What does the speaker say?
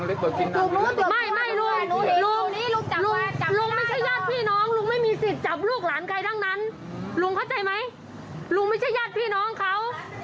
ลุงเข้าใจไหมลุงไม่ใช่ญาติพี่น้องเขา